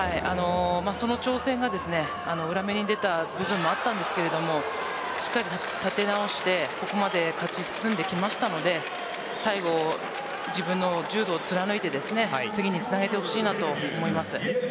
その挑戦が裏目に出た部分もありますがしっかりと立て直してここまで勝ち進んできましたので、最後自分の柔道を貫いて次につなげてほしいと思います。